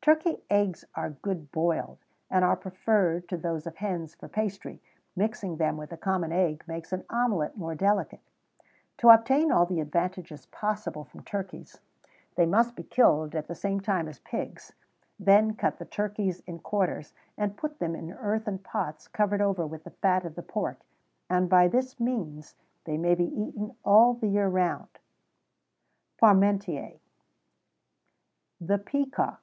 Turkey eggs are good boiled, and are preferred to those of hens for pastry; mixing them with the common eggs makes an omelette more delicate. "To obtain all the advantages possible from turkeys, they must be killed at the same time as pigs; then cut the turkeys in quarters, and put them in earthen pots covered over with the fat of the pork, and by this means they may be eaten all the year round." PARMENTIER. THE PEACOCK.